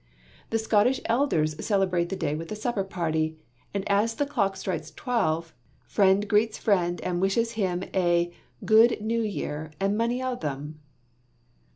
The Scottish elders celebrate the day with a supper party, and as the clock strikes twelve, friend greets friend and wishes him "a gude New Year and mony o' them."